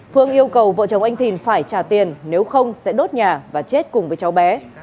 phương yêu cầu vợ chồng anh thìn phải trả tiền nếu không sẽ đốt nhà và chết cùng với cháu bé